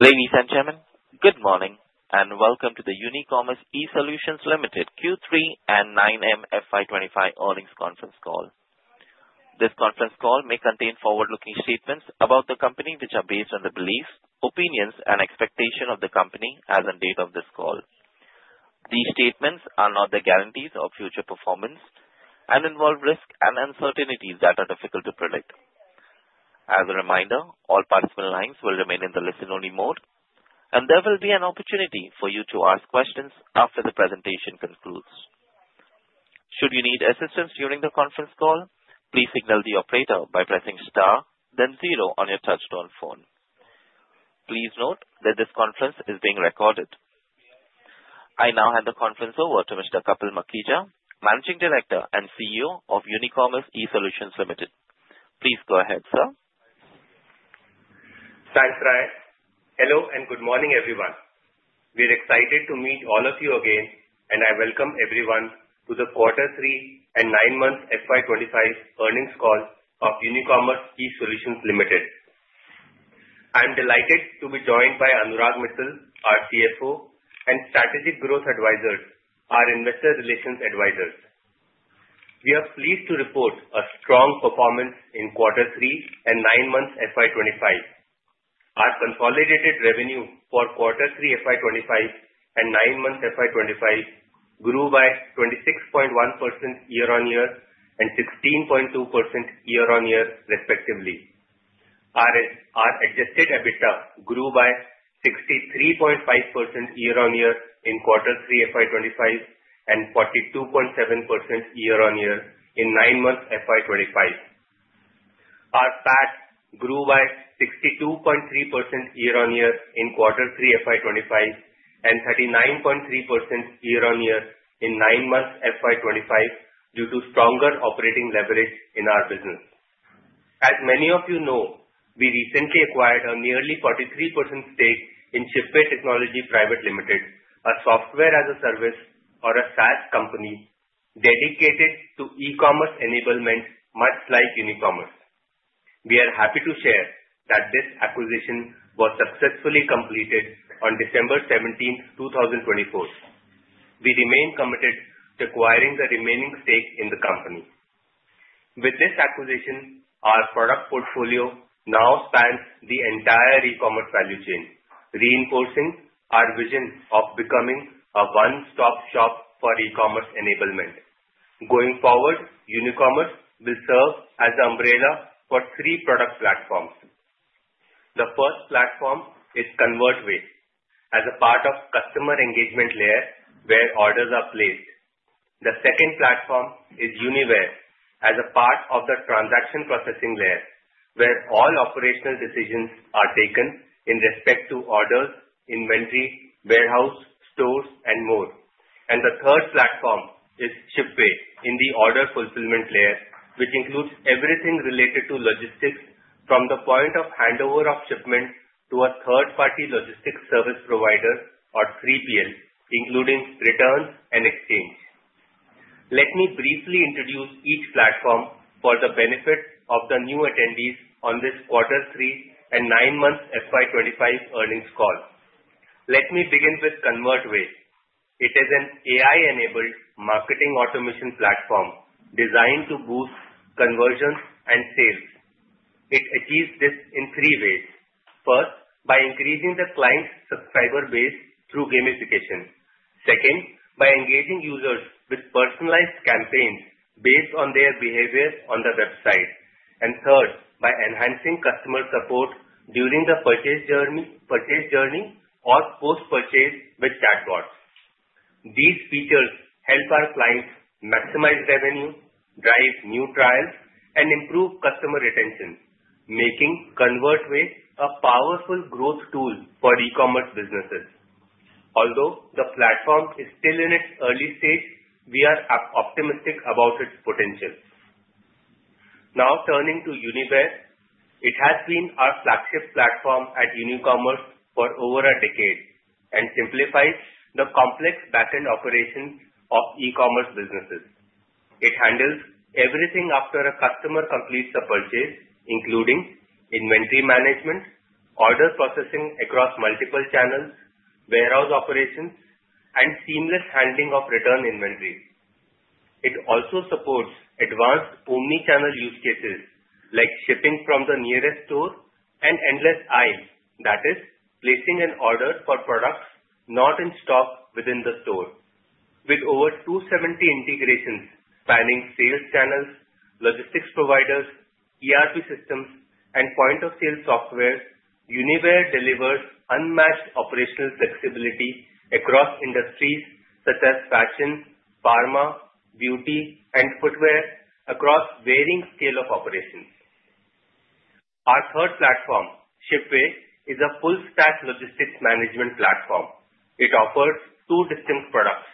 Ladies and gentlemen, good morning and welcome to the Unicommerce eSolutions Limited Q3 and 9M FY25 earnings conference call. This conference call may contain forward-looking statements about the company which are based on the beliefs, opinions, and expectations of the company as of the date of this call. These statements are not the guarantees of future performance and involve risks and uncertainties that are difficult to predict. As a reminder, all participant lines will remain in the listen-only mode, and there will be an opportunity for you to ask questions after the presentation concludes. Should you need assistance during the conference call, please signal the operator by pressing star, then zero on your touch-tone phone. Please note that this conference is being recorded. I now hand the conference over to Mr. Kapil Makhija, Managing Director and CEO of Unicommerce eSolutions Limited. Please go ahead, sir. Thanks, Bryan. Hello and good morning, everyone. We're excited to meet all of you again, and I welcome everyone to the Q3 and 9M FY25 earnings call of Unicommerce eSolutions Limited. I'm delighted to be joined by Anurag Mittal, our CFO, and Strategic Growth Advisors, our Investor Relations Advisors. We are pleased to report a strong performance in Q3 and 9M FY25. Our consolidated revenue for Q3 FY25 and 9M FY25 grew by 26.1% year-on-year and 16.2% year-on-year, respectively. Our Adjusted EBITDA grew by 63.5% year-on-year in Q3 FY25 and 42.7% year-on-year in 9M FY25. Our PAT grew by 62.3% year-on-year in Q3 FY25 and 39.3% year-on-year in 9M FY25 due to stronger operating leverage in our business. As many of you know, we recently acquired a nearly 43% stake in Shipway Technology Private Limited, a software as a service or a SaaS company dedicated to e-commerce enablement much like Unicommerce. We are happy to share that this acquisition was successfully completed on December 17, 2024. We remain committed to acquiring the remaining stake in the company. With this acquisition, our product portfolio now spans the entire e-commerce value chain, reinforcing our vision of becoming a one-stop shop for e-commerce enablement. Going forward, Unicommerce will serve as the umbrella for three product platforms. The first platform is ConvertWay as a part of the customer engagement layer where orders are placed. The second platform is UniWare as a part of the transaction processing layer where all operational decisions are taken in respect to orders, inventory, warehouse, stores, and more. And the third platform is Shipway in the order fulfillment layer, which includes everything related to logistics from the point of handover of shipment to a third-party logistics service provider or 3PL, including returns and exchange. Let me briefly introduce each platform for the benefit of the new attendees on this Q3 and 9M FY25 earnings call. Let me begin with ConvertWay. It is an AI-enabled marketing automation platform designed to boost conversions and sales. It achieves this in three ways. First, by increasing the client's subscriber base through gamification. Second, by engaging users with personalized campaigns based on their behavior on the website. And third, by enhancing customer support during the purchase journey or post-purchase with chatbots. These features help our clients maximize revenue, drive new trials, and improve customer retention, making ConvertWay a powerful growth tool for e-commerce businesses. Although the platform is still in its early stage, we are optimistic about its potential. Now turning to UniWare, it has been our flagship platform at Unicommerce for over a decade and simplifies the complex backend operations of e-commerce businesses. It handles everything after a customer completes a purchase, including inventory management, order processing across multiple channels, warehouse operations, and seamless handling of return inventory. It also supports advanced omnichannel use cases like shipping from the nearest store and endless aisle, that is, placing an order for products not in stock within the store. With over 270 integrations spanning sales channels, logistics providers, ERP systems, and point-of-sale software, UniWare delivers unmatched operational flexibility across industries such as fashion, pharma, beauty, and footwear across varying scales of operations. Our third platform, Shipway, is a full-stack logistics management platform. It offers two distinct products.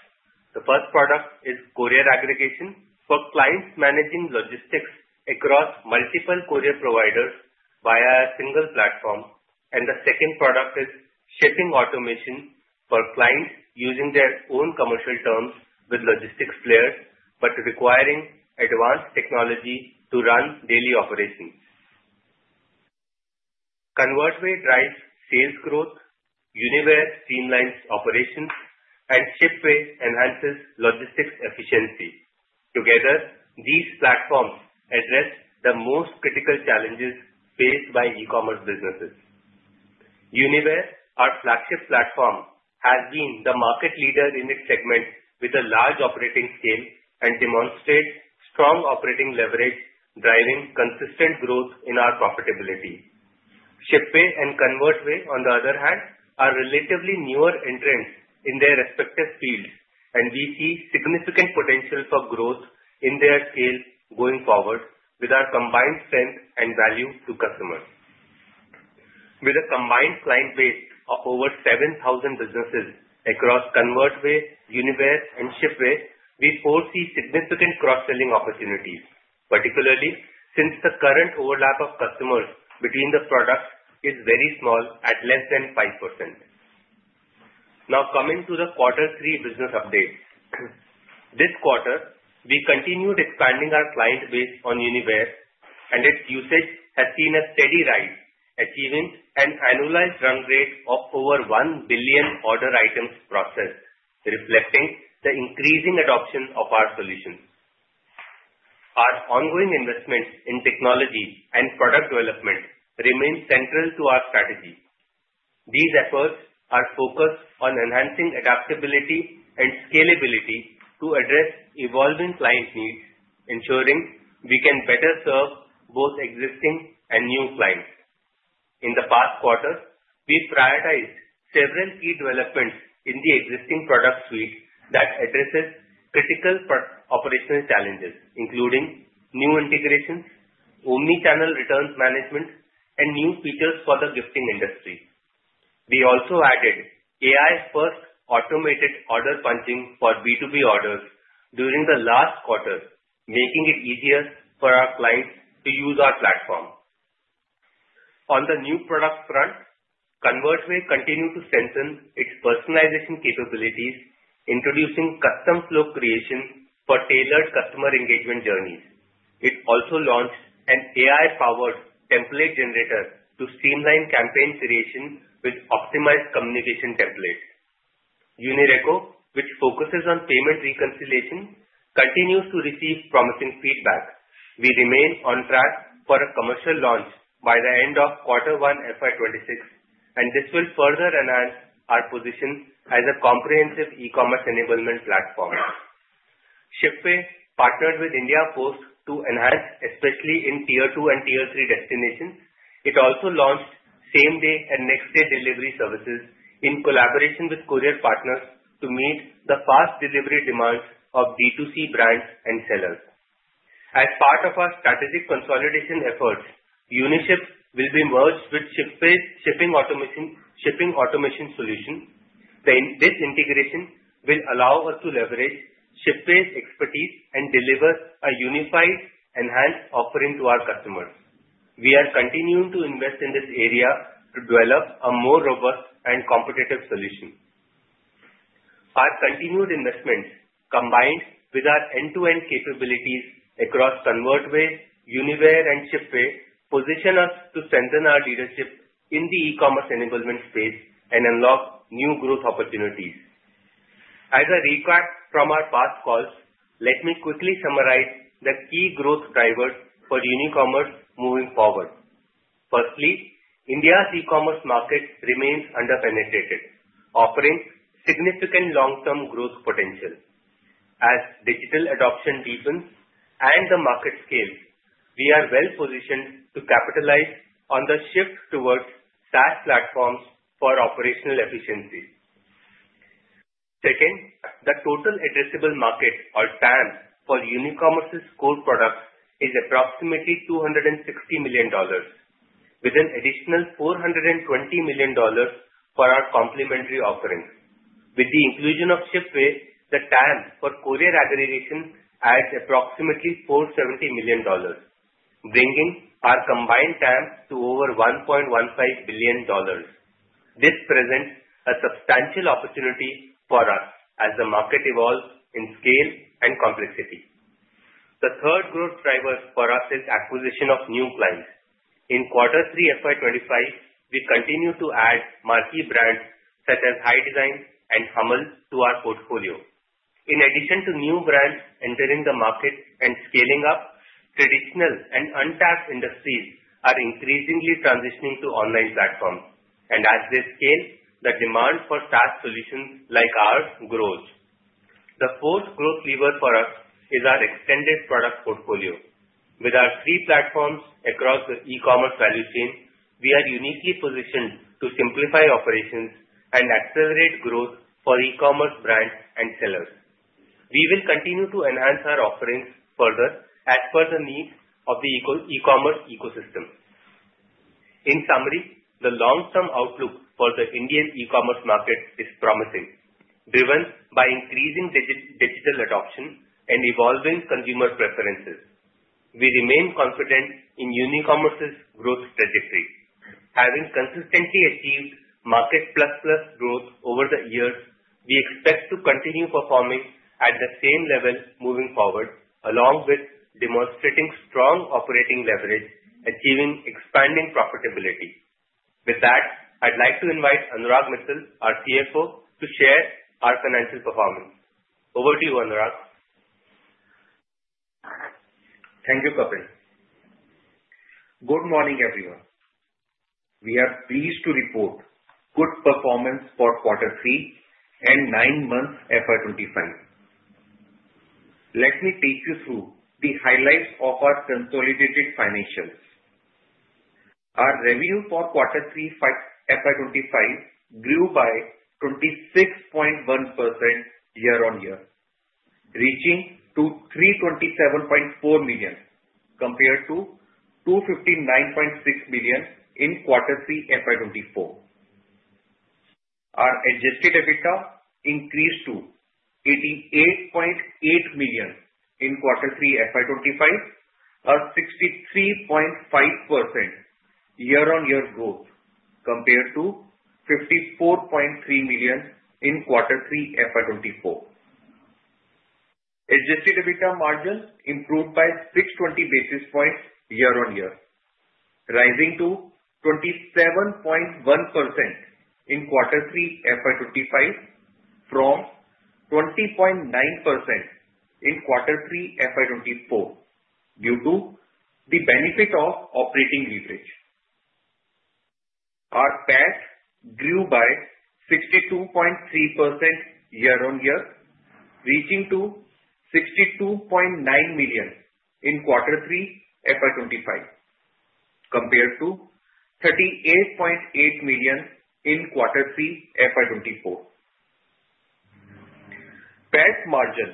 The first product is courier aggregation for clients managing logistics across multiple courier providers via a single platform, and the second product is shipping automation for clients using their own commercial terms with logistics players but requiring advanced technology to run daily operations. ConvertWay drives sales growth, UniWare streamlines operations, and Shipway enhances logistics efficiency. Together, these platforms address the most critical challenges faced by e-commerce businesses. UniWare, our flagship platform, has been the market leader in its segment with a large operating scale and demonstrates strong operating leverage, driving consistent growth in our profitability. Shipway and ConvertWay, on the other hand, are relatively newer entrants in their respective fields, and we see significant potential for growth in their scale going forward with our combined strength and value to customers. With a combined client base of over 7,000 businesses across ConvertWay, UniWare, and Shipway, we foresee significant cross-selling opportunities, particularly since the current overlap of customers between the products is very small at less than 5%. Now coming to the Q3 business update. This quarter, we continued expanding our client base on UniWare, and its usage has seen a steady rise, achieving an annualized run rate of over 1 billion order items processed, reflecting the increasing adoption of our solutions. Our ongoing investment in technology and product development remains central to our strategy. These efforts are focused on enhancing adaptability and scalability to address evolving client needs, ensuring we can better serve both existing and new clients. In the past quarter, we prioritized several key developments in the existing product suite that addresses critical operational challenges, including new integrations, omnichannel returns management, and new features for the gifting industry. We also added AI-first automated order punching for B2B orders during the last quarter, making it easier for our clients to use our platform. On the new product front, ConvertWay continued to strengthen its personalization capabilities, introducing custom flow creation for tailored customer engagement journeys. It also launched an AI-powered template generator to streamline campaign creation with optimized communication templates. UniReco, which focuses on payment reconciliation, continues to receive promising feedback. We remain on track for a commercial launch by the end of Q1 FY26, and this will further enhance our position as a comprehensive e-commerce enablement platform. Shipway partnered with India Post to enhance, especially in Tier 2 and Tier 3 destinations. It also launched same-day and next-day delivery services in collaboration with courier partners to meet the fast delivery demands of D2C brands and sellers. As part of our strategic consolidation efforts, UniShip will be merged with Shipway's shipping automation solution. This integration will allow us to leverage Shipway's expertise and deliver a unified, enhanced offering to our customers. We are continuing to invest in this area to develop a more robust and competitive solution. Our continued investments, combined with our end-to-end capabilities across ConvertWay, UniWare, and Shipway, position us to strengthen our leadership in the e-commerce enablement space and unlock new growth opportunities. As a recap from our past calls, let me quickly summarize the key growth drivers for Unicommerce moving forward. Firstly, India's e-commerce market remains under-penetrated, offering significant long-term growth potential. As digital adoption deepens and the market scales, we are well-positioned to capitalize on the shift towards SaaS platforms for operational efficiency. Second, the total addressable market, or TAM, for Unicommerce's core products is approximately $260 million, with an additional $420 million for our complementary offerings. With the inclusion of Shipway, the TAM for courier aggregation adds approximately $470 million, bringing our combined TAM to over $1.15 billion. This presents a substantial opportunity for us as the market evolves in scale and complexity. The third growth driver for us is acquisition of new clients. In Q3 FY25, we continue to add marquee brands such as Hidesign and Hummel to our portfolio. In addition to new brands entering the market and scaling up, traditional and untapped industries are increasingly transitioning to online platforms, and as they scale, the demand for SaaS solutions like ours grows. The fourth growth lever for us is our extended product portfolio. With our three platforms across the e-commerce value chain, we are uniquely positioned to simplify operations and accelerate growth for e-commerce brands and sellers. We will continue to enhance our offerings further as per the needs of the e-commerce ecosystem. In summary, the long-term outlook for the Indian e-commerce market is promising, driven by increasing digital adoption and evolving consumer preferences. We remain confident in Unicommerce's growth trajectory. Having consistently achieved Market Plus Plus growth over the years, we expect to continue performing at the same level moving forward, along with demonstrating strong operating leverage, achieving expanding profitability. With that, I'd like to invite Anurag Mittal, our CFO, to share our financial performance. Over to you, Anurag. Thank you, Kapil. Good morning, everyone. We are pleased to report good performance for Q3 and 9M FY25. Let me take you through the highlights of our consolidated financials. Our revenue for Q3 FY25 grew by 26.1% year-on-year, reaching 327.4 million compared to 259.6 million in Q3 FY24. Our adjusted EBITDA increased to 88.8 million in Q3 FY25, a 63.5% year-on-year growth compared to 54.3 million in Q3 FY24. Adjusted EBITDA margin improved by 620 basis points year-on-year, rising to 27.1% in Q3 FY25 from 20.9% in Q3 FY24 due to the benefit of operating leverage. Our PAT grew by 62.3% year-on-year, reaching to 62.9 million in Q3 FY25 compared to 38.8 million in Q3 FY24. PAT margin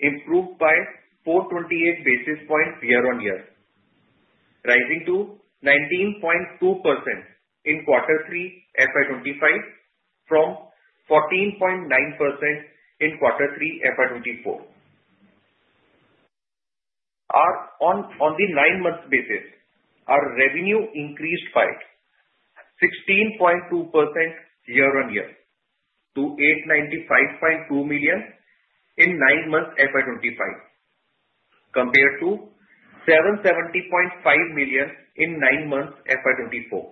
improved by 428 basis points year-on-year, rising to 19.2% in Q3 FY25 from 14.9% in Q3 FY24. On the 9-month basis, our revenue increased by 16.2% year-on-year to 895.2 million in 9M FY25 compared to 770.5 million in 9M FY24.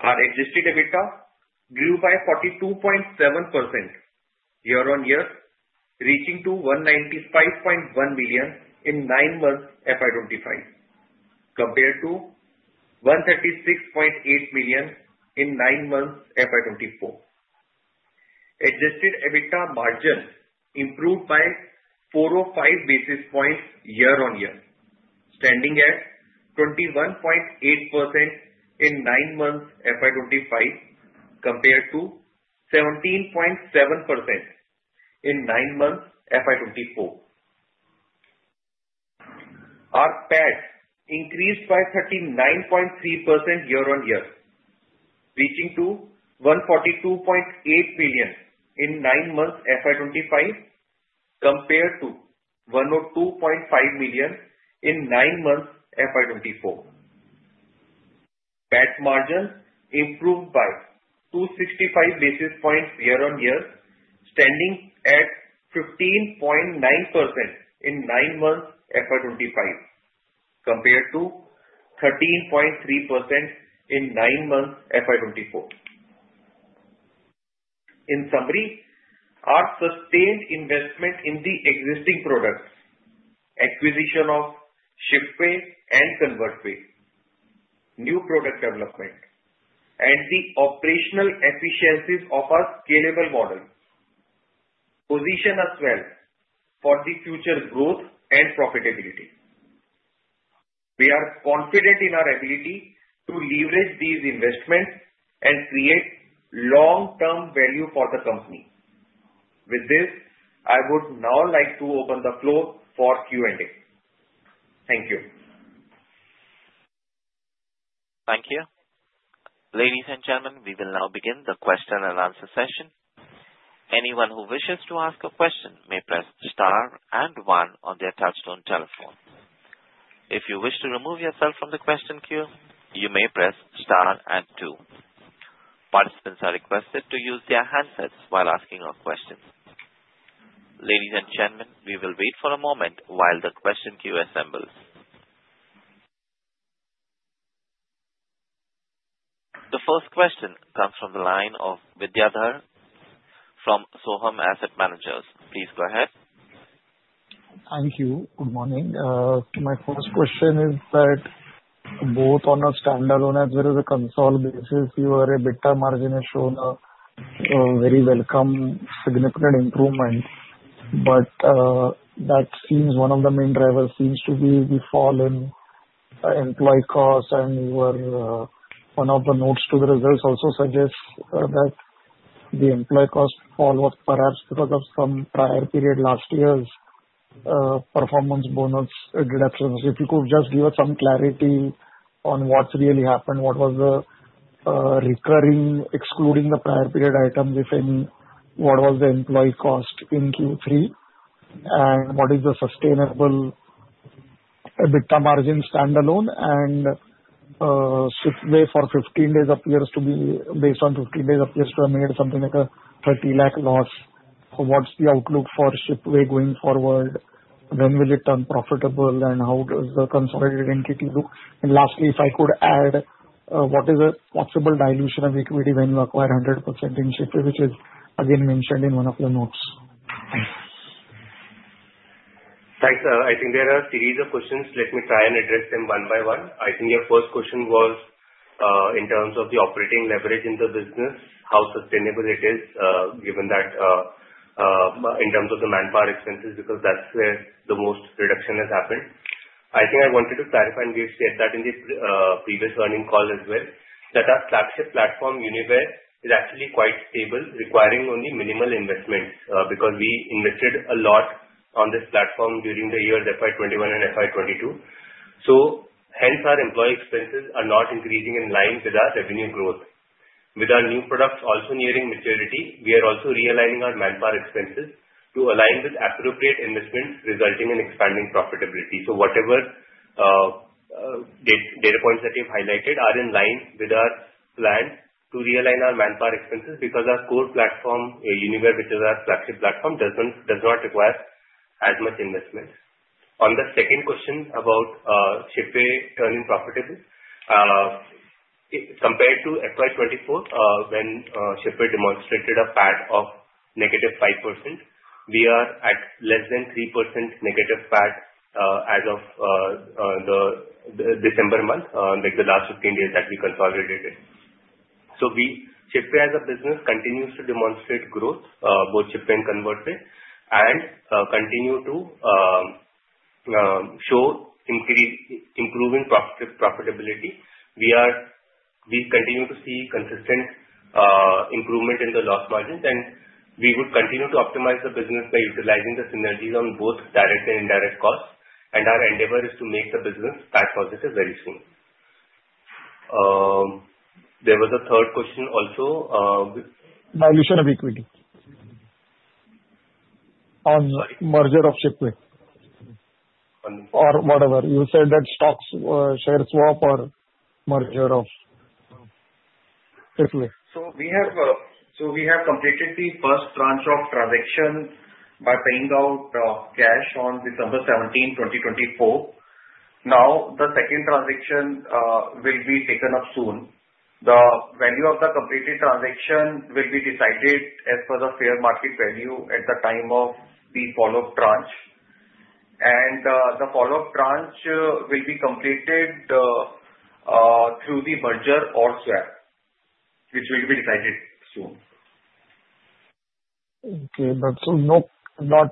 Our adjusted EBITDA grew by 42.7% year-on-year, reaching to 195.1 million in 9M FY25 compared to 136.8 million in 9M FY24. Adjusted EBITDA margin improved by 405 basis points year-on-year, standing at 21.8% in 9M FY25 compared to 17.7% in 9M FY24. Our PAT increased by 39.3% year-on-year, reaching to ₹142.8 million in 9M FY25 compared to ₹102.5 million in 9M FY24. PAT margin improved by 265 basis points year-on-year, standing at 15.9% in 9M FY25 compared to 13.3% in 9M FY24. In summary, our sustained investment in the existing products, acquisition of Shipway and ConvertWay, new product development, and the operational efficiencies of our scalable model, position us well for the future growth and profitability. We are confident in our ability to leverage these investments and create long-term value for the company. With this, I would now like to open the floor for Q&A. Thank you. Thank you. Ladies and gentlemen, we will now begin the question and answer session. Anyone who wishes to ask a question may press star and one on their touch-tone telephone. If you wish to remove yourself from the question queue, you may press star and two. Participants are requested to use their handsets while asking a question. Ladies and gentlemen, we will wait for a moment while the question queue assembles. The first question comes from the line of Vidyadhar from Sohum Asset Managers. Please go ahead. Thank you. Good morning. My first question is that both on a standalone as well as a consolidated basis, your EBITDA margin has shown a very welcome significant improvement. But that seems one of the main drivers seems to be the fall in employee cost, and one of the notes to the results also suggests that the employee cost fall was perhaps because of some prior period last year's performance bonus deductions. If you could just give us some clarity on what's really happened, what was the recurring excluding the prior period items, if any, what was the employee cost in Q3, and what is the sustainable EBITDA margin standalone? And Shipway for 15 days appears to be, based on 15 days, appears to have made something like a 30 lakh loss. What's the outlook for Shipway going forward? When will it turn profitable, and how does the consolidated entity look? And lastly, if I could add, what is a possible dilution of equity when you acquire 100% in Shipway, which is again mentioned in one of your notes? Thanks. I think there are a series of questions. Let me try and address them one by one. I think your first question was in terms of the operating leverage in the business, how sustainable it is, given that in terms of the manpower expenses, because that's where the most reduction has happened. I think I wanted to clarify, and we've said that in the previous earning call as well, that our flagship platform, UniWare, is actually quite stable, requiring only minimal investments because we invested a lot on this platform during the year FY21 and FY22. So hence, our employee expenses are not increasing in line with our revenue growth. With our new products also nearing maturity, we are also realigning our manpower expenses to align with appropriate investments resulting in expanding profitability. So whatever data points that you've highlighted are in line with our plan to realign our manpower expenses because our core platform, UniWare, which is our flagship platform, does not require as much investment. On the second question about Shipway turning profitable, compared to FY24, when Shipway demonstrated a PAT of negative 5%, we are at less than 3% negative PAT as of the December month, like the last 15 days that we consolidated. So Shipway Shipway as a business continues to demonstrate growth, both Shipway and ConvertWay, and continue to show improving profitability. We continue to see consistent improvement in the loss margins, and we would continue to optimize the business by utilizing the synergies on both direct and indirect costs. And our endeavor is to make the business PAT positive very soon. There was a third question also. Dilution of equity on merger of Shipway or whatever. You said that stocks share swap or merger of Shipway. So we have completed the first tranche of transaction by paying out cash on December 17, 2024. Now, the second transaction will be taken up soon. The value of the completed transaction will be decided as per the fair market value at the time of the follow-up tranche, and the follow-up tranche will be completed through the merger or swap, which will be decided soon. Okay. That's not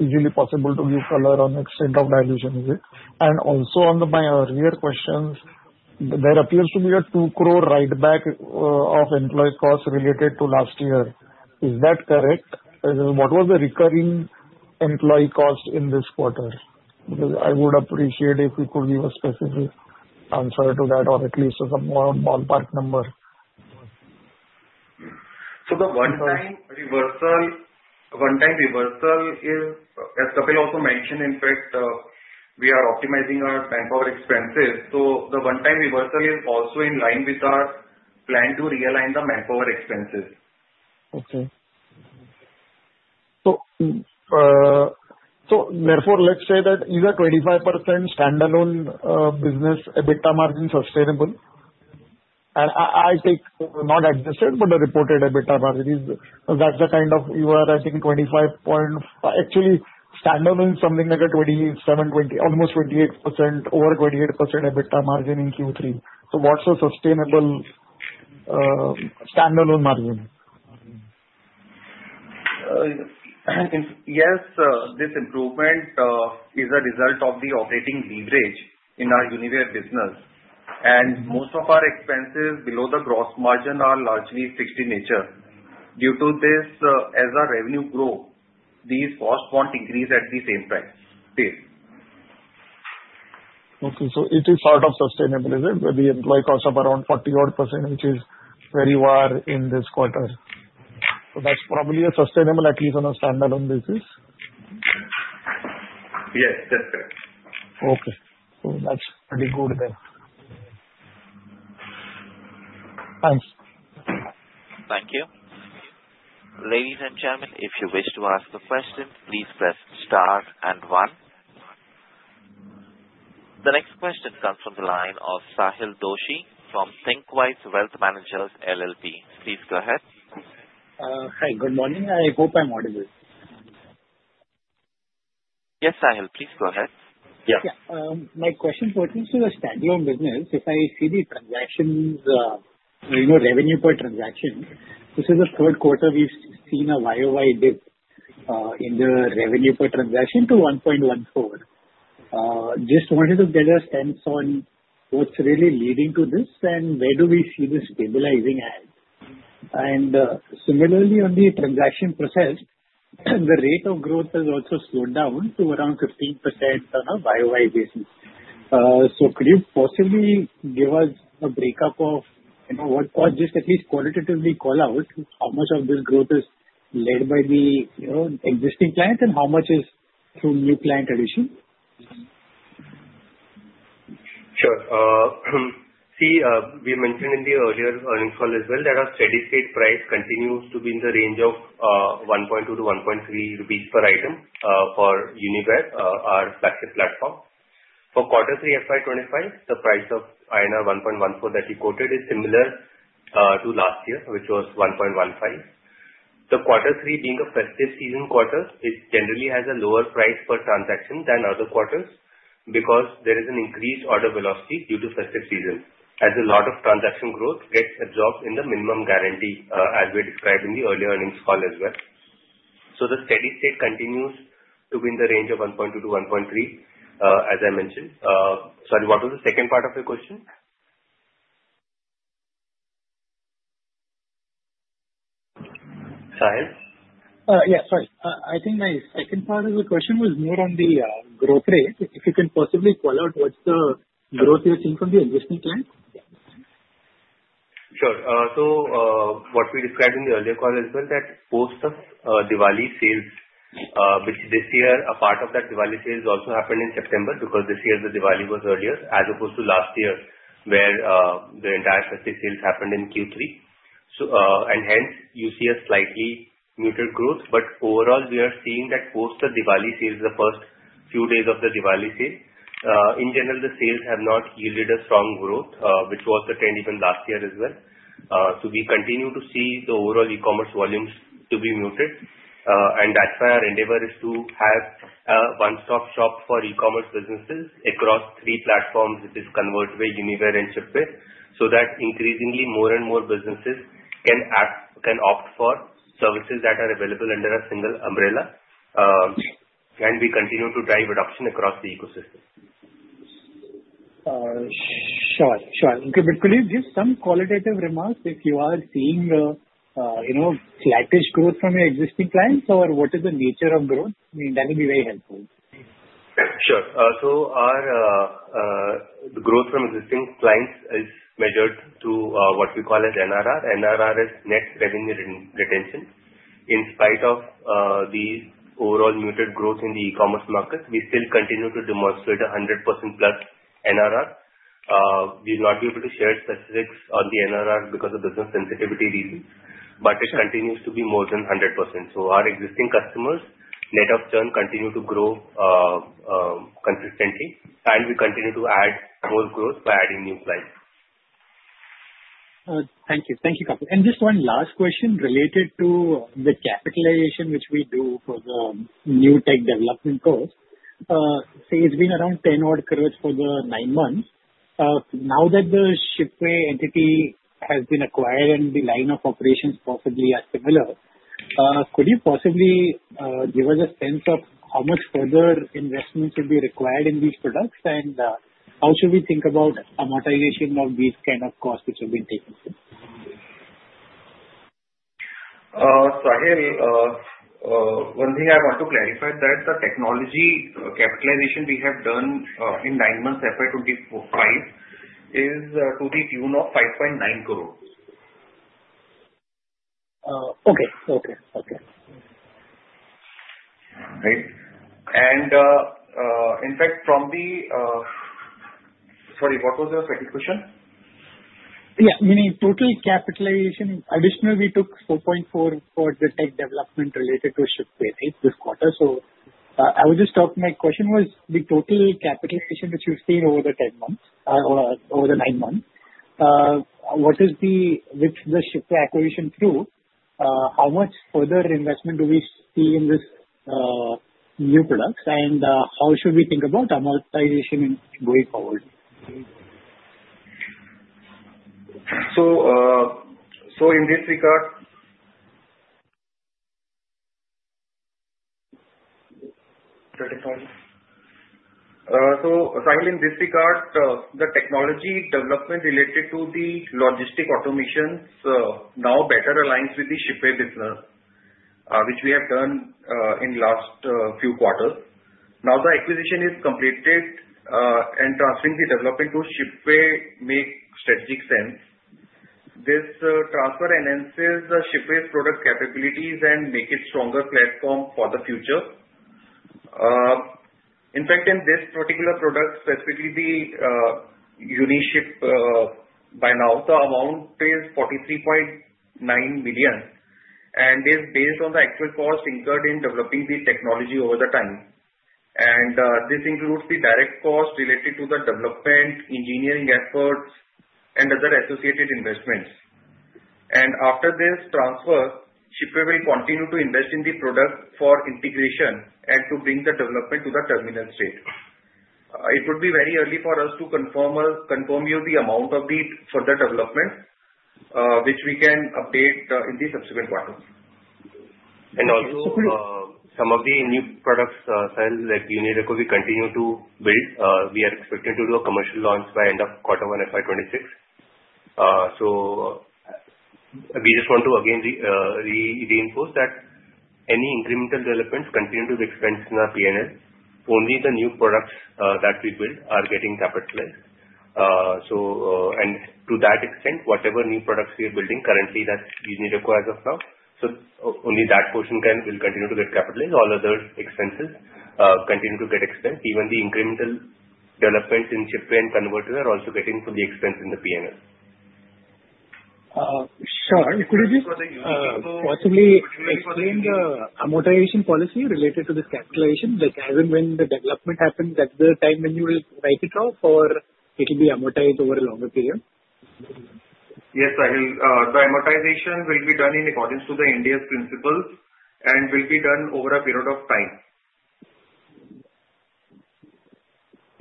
easily possible to give color on the extent of dilution, is it? Also on my earlier questions, there appears to be a ₹2 crore write-back of employee costs related to last year. Is that correct? What was the recurring employee cost in this quarter? I would appreciate if you could give a specific answer to that or at least some ballpark number, so the one-time reversal is, as Kapil also mentioned, in fact, we are optimizing our manpower expenses. So the one-time reversal is also in line with our plan to realign the manpower expenses. Okay. So therefore, let's say that you are 25% standalone business EBITDA margin sustainable. And I take not adjusted, but the reported EBITDA margin. That's the kind of you are. I think 25.5%. Actually, standalone is something like a 27, 20, almost 28%, over 28% EBITDA margin in Q3. So what's the sustainable standalone margin? Yes. This improvement is a result of the operating leverage in our UniWare business. And most of our expenses below the gross margin are largely fixed in nature. Due to this, as our revenue grows, these costs won't increase at the same price. Okay. So it is sort of sustainable, is it? With the employee cost of around 40-odd%, which is where you are in this quarter. So that's probably a sustainable, at least on a standalone basis. Yes. That's correct. Okay. So that's pretty good then. Thanks. Thank you. Ladies and gentlemen, if you wish to ask a question, please press star and one. The next question comes from the line of Sahil Doshi from Thinqwise Wealth Managers LLP. Please go ahead. Hi. Good morning. I hope I'm audible. Yes, Sahil. Please go ahead. Yeah. My question pertains to the standalone business. If I see the transactions, revenue per transaction, this is the third quarter we've seen a YOY dip in the revenue per transaction to 1.14. Just wanted to get a sense on what's really leading to this and where do we see this stabilizing at. And similarly, on the transaction process, the rate of growth has also slowed down to around 15% on a YOY basis. Could you possibly give us a breakup of what was just at least qualitatively call out how much of this growth is led by the existing client and how much is through new client addition? Sure. See, we mentioned in the earlier earnings call as well that our steady-state price continues to be in the range of 1.2-1.3 rupees per item for UniWare, our flagship platform. For Q3 FY25, the price of INR 1.14 that you quoted is similar to last year, which was 1.15. The Q3, being a festive season quarter, generally has a lower price per transaction than other quarters because there is an increased order velocity due to festive season, as a lot of transaction growth gets absorbed in the minimum guarantee, as we described in the earlier earnings call as well. So the steady-state continues to be in the range of 1.2-1.3, as I mentioned. Sorry, what was the second part of your question? Sahil? Yeah. Sorry. I think my second part of the question was more on the growth rate. If you can possibly call out what's the growth you're seeing from the existing client? Sure. So what we described in the earlier call as well, that most of Diwali sales, which this year, a part of that Diwali sales also happened in September because this year the Diwali was earlier, as opposed to last year where the entire festive sales happened in Q3. And hence, you see a slightly muted growth. But overall, we are seeing that post-Diwali sales, the first few days of the Diwali sale, in general, the sales have not yielded a strong growth, which was the trend even last year as well. We continue to see the overall e-commerce volumes to be muted. That's why our endeavor is to have a one-stop shop for e-commerce businesses across three platforms, which is ConvertWay, UniWare, and Shipway, so that increasingly more and more businesses can opt for services that are available under a single umbrella. We continue to drive adoption across the ecosystem. Sure. Sure. Okay. Could you give some qualitative remarks if you are seeing flat-ish growth from your existing clients or what is the nature of growth? I mean, that would be very helpful. Sure. The growth from existing clients is measured through what we call as NRR. NRR is net revenue retention. In spite of the overall muted growth in the e-commerce market, we still continue to demonstrate a 100% plus NRR. We will not be able to share specifics on the NRR because of business sensitivity reasons, but it continues to be more than 100%. So our existing customers net of churn continue to grow consistently, and we continue to add more growth by adding new clients. Thank you. Thank you, Kapil. And just one last question related to the capitalization which we do for the new tech development cost. It's been around 10-odd crores for the nine months. Now that the Shipway entity has been acquired and the line of operations possibly are similar, could you possibly give us a sense of how much further investments will be required in these products, and how should we think about amortization of these kind of costs which have been taken? Sahil, one thing I want to clarify is that the technology capitalization we have done in nine months FY25 is to the tune of 5.9 crores. Okay. Okay. Okay. Right. And in fact, from the, sorry, what was your second question? Yeah. Meaning total capitalization. Additionally, we took 4.4 for the tech development related to Shipway, right, this quarter. So I was just talking. My question was the total capitalization that you've seen over the 10 months, over the nine months. What is the, with the Shipway acquisition through, how much further investment do we see in this new products, and how should we think about amortization going forward? So in this regard, so Sahil, in this regard, the technology development related to the logistics automations now better aligns with the Shipway business, which we have done in last few quarters. Now the acquisition is completed, and transferring the development to Shipway makes strategic sense. This transfer enhances the Shipway's product capabilities and makes it a stronger platform for the future. In fact, in this particular product, specifically the UniShip by now, the amount is 43.9 million, and it is based on the actual cost incurred in developing the technology over the time. And this includes the direct cost related to the development, engineering efforts, and other associated investments. And after this transfer, Shipway will continue to invest in the product for integration and to bring the development to the terminal state. It would be very early for us to confirm you the amount of the further development, which we can update in the subsequent quarter. And also, some of the new products, Sahil, like UniReco, we continue to build. We are expecting to do a commercial launch by end of Q1 FY26. So we just want to again reinforce that any incremental developments continue to be expensed in our P&L. Only the new products that we build are getting capitalized. And to that extent, whatever new products we are building currently, that's UniReco as of now. So only that portion will continue to get capitalized. All other expenses continue to get expensed. Even the incremental developments in Shipway and ConvertWay are also getting expensed in the P&L. Sure. Could you possibly explain the amortization policy related to this capitalization, like as in when the development happens, that's the time when you will write it off, or it will be amortized over a longer period? Yes, Sahil. The amortization will be done in accordance with the Ind AS principles and will be done over a period of time.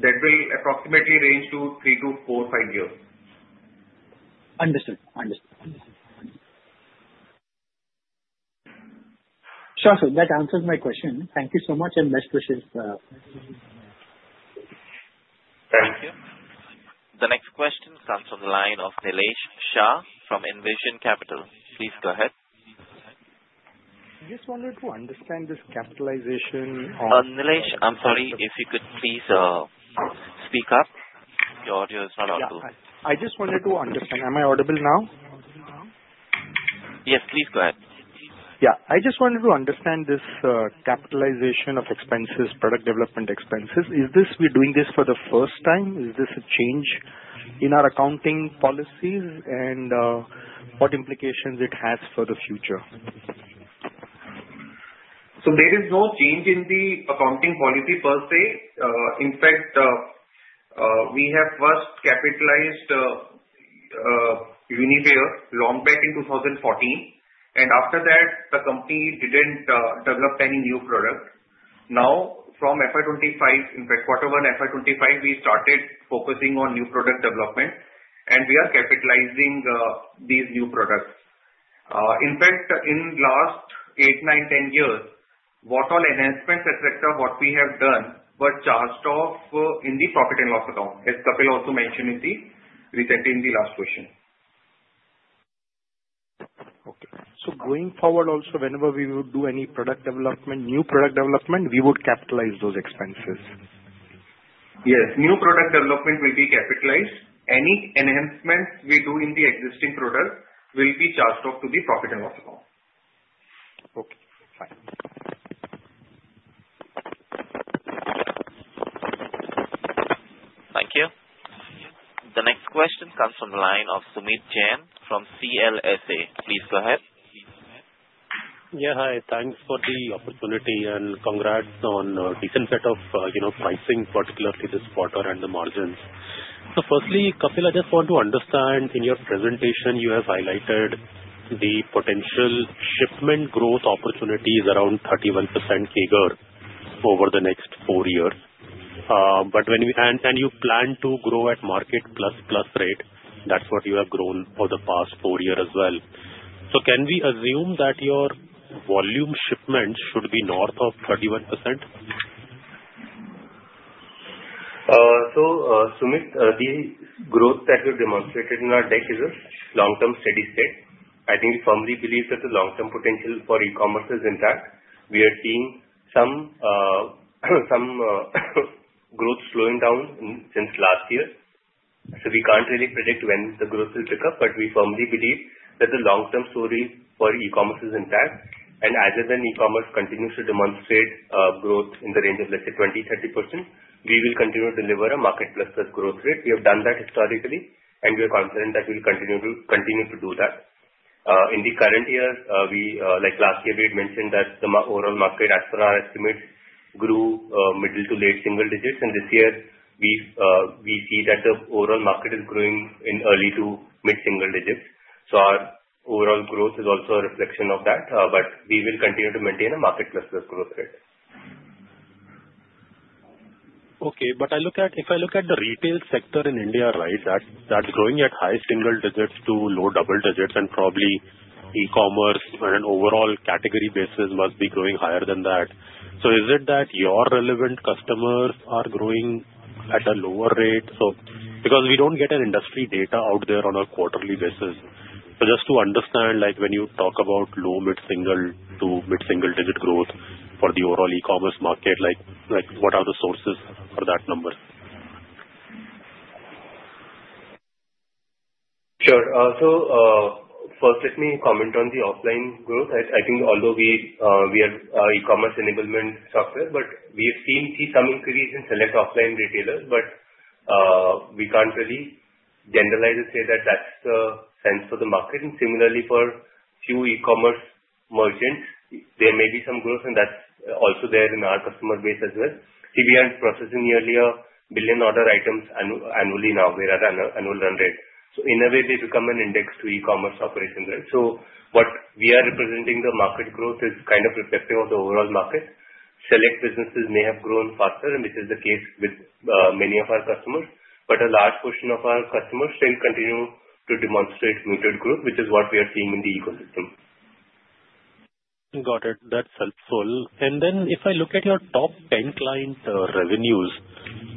That will approximately range to three to four, five years. Understood. Understood. Sure. So that answers my question. Thank you so much and best wishes. Thank you. The next question comes from the line of Nilesh Shah from Envision Capital. Please go ahead. Just wanted to understand this capitalization of expenses. I'm sorry if you could please speak up. Your audio is not optimal. Yeah. I just wanted to understand. Am I audible now? Yes. Please go ahead. Yeah. I just wanted to understand this capitalization of expenses, product development expenses. Is this we're doing this for the first time? Is this a change in our accounting policies and what implications it has for the future? So there is no change in the accounting policy per se. In fact, we have first capitalized UniWare long back in 2014. And after that, the company didn't develop any new product. Now, from FY25, in fact, Q1 FY25, we started focusing on new product development, and we are capitalizing these new products. In fact, in the last eight, nine, 10 years, what all enhancements etc. what we have done were charged off in the profit and loss account, as Kapil also mentioned recently in the last question. Okay. So going forward, also whenever we would do any product development, new product development, we would capitalize those expenses? Yes. New product development will be capitalized. Any enhancements we do in the existing product will be charged off to the profit and loss account. Okay. Fine. Thank you. The next question comes from the line of Sumeet Jain from CLSA. Please go ahead. Yeah. Hi. Thanks for the opportunity and congrats on a decent set of pricing, particularly this quarter and the margins. So firstly, Kapil, I just want to understand in your presentation, you have highlighted the potential shipment growth opportunities around 31% CAGR over the next four years. And you plan to grow at market plus plus rate. That's what you have grown over the past four years as well. So can we assume that your volume shipment should be north of 31%? So Sumeet, the growth that you demonstrated in our deck is a long-term steady state. I think we firmly believe that the long-term potential for e-commerce is intact. We are seeing some growth slowing down since last year. So we can't really predict when the growth will pick up, but we firmly believe that the long-term story for e-commerce is intact. As e-commerce continues to demonstrate growth in the range of, let's say, 20%-30%, we will continue to deliver a market plus plus growth rate. We have done that historically, and we are confident that we will continue to do that. In the current year, like last year, we had mentioned that the overall market, as per our estimates, grew middle to late single digits. This year, we see that the overall market is growing in early to mid single digits. Our overall growth is also a reflection of that, but we will continue to maintain a market plus plus growth rate. Okay. If I look at the retail sector in India, right, that's growing at high single digits to low double digits, and probably e-commerce on an overall category basis must be growing higher than that. So, is it that your relevant customers are growing at a lower rate? Because we don't get an industry data out there on a quarterly basis. So just to understand, when you talk about low- mid-single- to mid-single-digit growth for the overall e-commerce market, what are the sources for that number? Sure. So first, let me comment on the offline growth. I think although we are e-commerce enablement software, but we've seen some increase in select offline retailers. But we can't really generalize and say that that's the sense for the market. And similarly, for few e-commerce merchants, there may be some growth, and that's also there in our customer base as well. See, we are processing nearly a billion order items annually now, whereas annual run rate. So in a way, they become an index to e-commerce operations, right? What we are representing, the market growth, is kind of reflective of the overall market. Select businesses may have grown faster, which is the case with many of our customers. But a large portion of our customers still continue to demonstrate muted growth, which is what we are seeing in the ecosystem. Got it. That's helpful. And then if I look at your top 10 client revenues,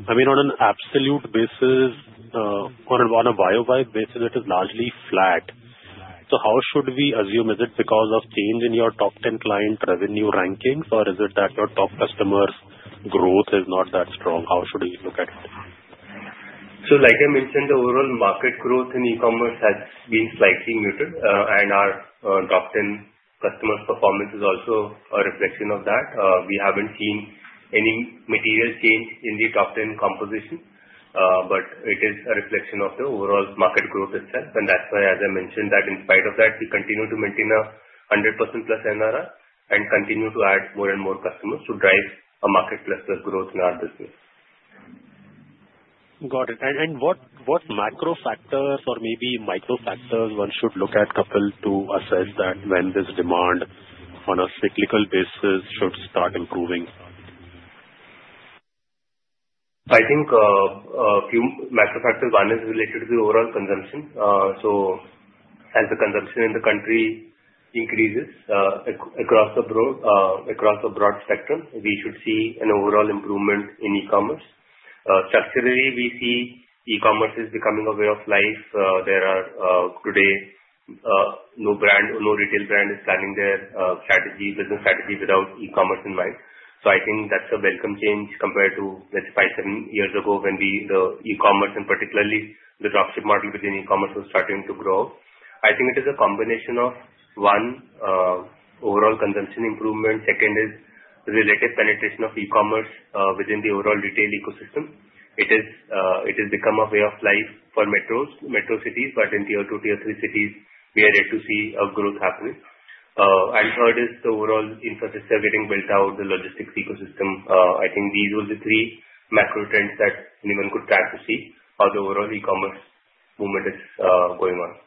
I mean, on an absolute basis or on a year-on-year basis, it is largely flat. So how should we assume? Is it because of change in your top 10 client revenue rankings, or is it that your top customers' growth is not that strong? How should we look at it? So like I mentioned, the overall market growth in e-commerce has been slightly muted, and our top 10 customers' performance is also a reflection of that. We haven't seen any material change in the top 10 composition, but it is a reflection of the overall market growth itself, and that's why, as I mentioned, that in spite of that, we continue to maintain a 100% plus NRR and continue to add more and more customers to drive a market plus plus growth in our business. Got it, and what macro factors or maybe micro factors one should look at, Kapil, to assess that when this demand on a cyclical basis should start improving? I think a few macro factors. One is related to the overall consumption, so as the consumption in the country increases across the broad spectrum, we should see an overall improvement in e-commerce. Structurally, we see e-commerce is becoming a way of life. There are today no brand or no retail brand is planning their business strategy without e-commerce in mind. I think that's a welcome change compared to, let's say, five, seven years ago when the e-commerce, and particularly the Dropship model within e-commerce, was starting to grow. I think it is a combination of, one, overall consumption improvement. Second is relative penetration of e-commerce within the overall retail ecosystem. It has become a way of life for metro cities, but in Tier 2, Tier 3 cities, we are yet to see a growth happening. And third is the overall infrastructure getting built out, the logistics ecosystem. I think these will be three macro trends that anyone could try to see how the overall e-commerce movement is going on.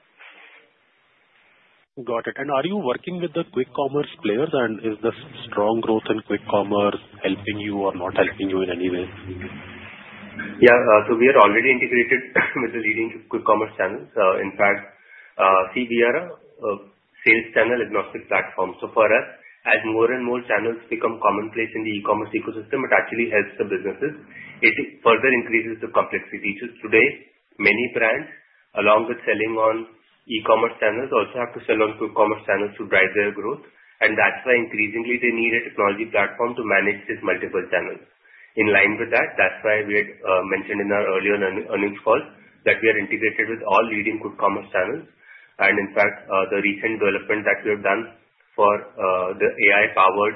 Got it. And are you working with the quick commerce players? And is the strong growth in quick commerce helping you or not helping you in any way? Yeah. So we are already integrated with the leading quick commerce channels. In fact, see, we are a sales channel agnostic platform. So for us, as more and more channels become commonplace in the E-commerce ecosystem, it actually helps the businesses. It further increases the complexity. Today, many brands, along with selling on E-commerce channels, also have to sell on quick commerce channels to drive their growth. And that's why increasingly they need a technology platform to manage these multiple channels. In line with that, that's why we had mentioned in our earlier earnings call that we are integrated with all leading quick commerce channels. And in fact, the recent development that we have done for the AI-powered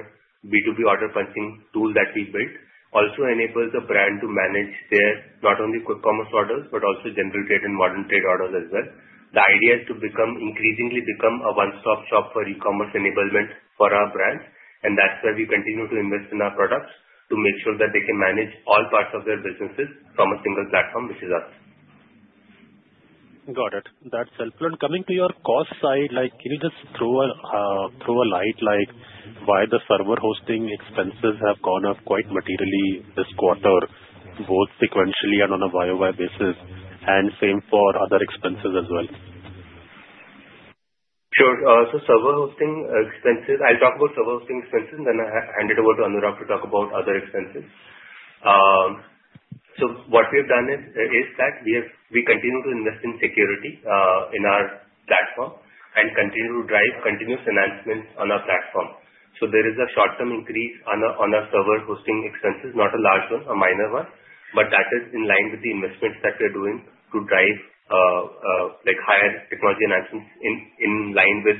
B2B order punching tool that we built also enables the brand to manage not only quick commerce orders but also General Trade and Modern Trade orders as well. The idea is to increasingly become a one-stop shop for E-commerce enablement for our brands. And that's where we continue to invest in our products to make sure that they can manage all parts of their businesses from a single platform, which is us. Got it. That's helpful. And coming to your cost side, can you just throw a light on why the server hosting expenses have gone up quite materially this quarter, both sequentially and on a YoY basis, and same for other expenses as well? Sure. So server hosting expenses, I'll talk about server hosting expenses, and then I'll hand it over to Anurag to talk about other expenses. So what we have done is that we continue to invest in security in our platform and continue to drive continuous enhancements on our platform. So there is a short-term increase on our server hosting expenses, not a large one, a minor one, but that is in line with the investments that we are doing to drive higher technology enhancements. In line with,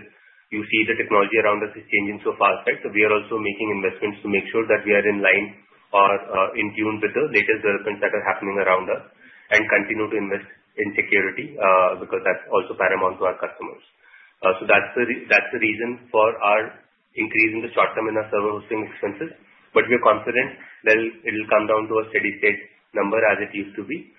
you see, the technology around us is changing so fast, right? So we are also making investments to make sure that we are in line or in tune with the latest developments that are happening around us and continue to invest in security because that's also paramount to our customers. So that's the reason for our increase in the short-term in our server hosting expenses. But we are confident that it will come down to a steady state number as it used to be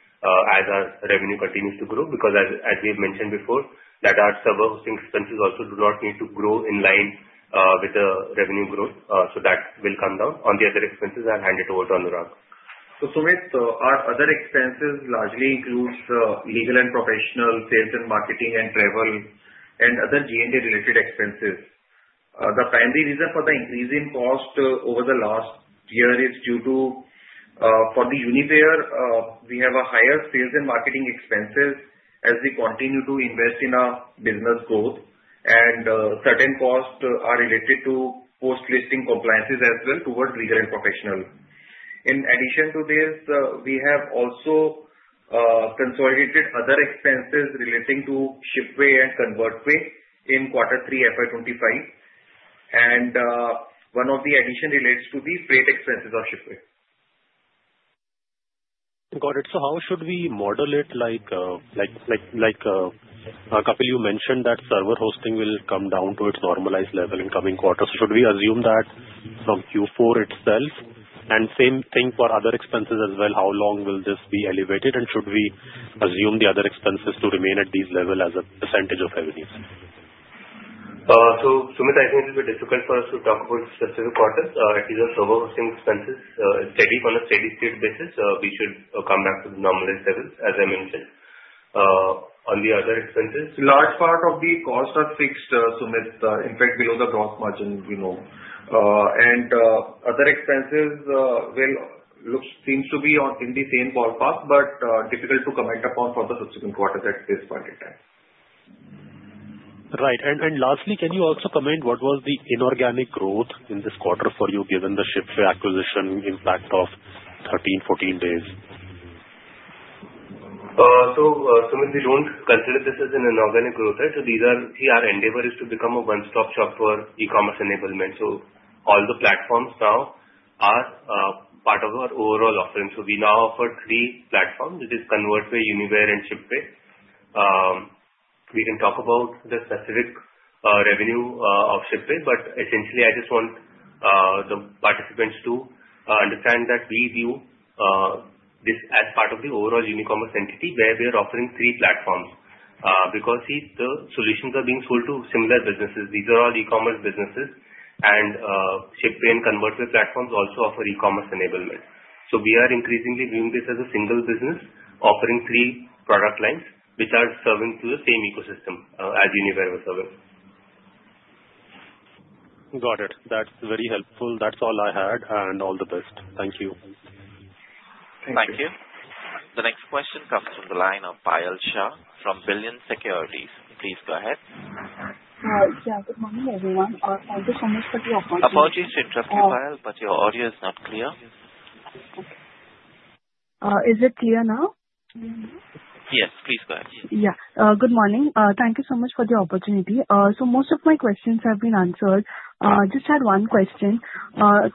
as our revenue continues to grow because, as we have mentioned before, that our server hosting expenses also do not need to grow in line with the revenue growth. So that will come down. On the other expenses, I'll hand it over to Anurag. So Sumeet, our other expenses largely include legal and professional, sales and marketing, and travel, and other G&A-related expenses. The primary reason for the increase in cost over the last year is due to, for the UniWare, we have a higher sales and marketing expenses as we continue to invest in our business growth. And certain costs are related to post-listing compliances as well towards legal and professional. In addition to this, we have also consolidated other expenses relating to Shipway and ConvertWay in Q3 FY25. And one of the additions relates to the freight expenses of Shipway. Got it. So how should we model it? Kapil, you mentioned that server hosting will come down to its normalized level in coming quarter. So should we assume that from Q4 itself? And same thing for other expenses as well. How long will this be elevated? And should we assume the other expenses to remain at these levels as a percentage of revenues? So Sumeet, I think it will be difficult for us to talk about specific quarters. It is our server hosting expenses steady on a steady state basis. We should come back to the normalized levels, as I mentioned. On the other expenses, large part of the costs are fixed, Sumeet, in fact below the gross margin we know. Other expenses seem to be in the same ballpark but difficult to comment upon for the subsequent quarter at this point in time. Right. And lastly, can you also comment what was the inorganic growth in this quarter for you, given the Shipway acquisition in fact of 13, 14 days? Sumeet, we don't consider this as an inorganic growth, right? Our endeavor is to become a one-stop shop for e-commerce enablement. All the platforms now are part of our overall offering. We now offer three platforms. It is ConvertWay, UniWare, and Shipway. We can talk about the specific revenue of Shipway, but essentially, I just want the participants to understand that we view this as part of the overall Unicommerce entity where we are offering three platforms. Because see, the solutions are being sold to similar businesses. These are all e-commerce businesses. And Shipway and ConvertWay platforms also offer e-commerce enablement. So we are increasingly viewing this as a single business offering three product lines which are serving through the same ecosystem as UniWare was serving. Got it. That's very helpful. That's all I had, and all the best. Thank you. Thank you. The next question comes from the line of Payal Shah from Billion Securities. Please go ahead. Yeah. Good morning, everyone. Thank you so much for the opportunity. Apologies to interrupt you, Payal, but your audio is not clear. Is it clear now? Yes. Please go ahead. Yeah. Good morning. Thank you so much for the opportunity. So most of my questions have been answered. Just had one question.